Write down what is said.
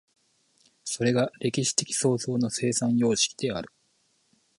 それが歴史的創造の生産様式である。